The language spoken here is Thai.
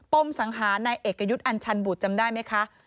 มสังหารนายเอกยุทธ์อัญชันบุตรจำได้ไหมคะ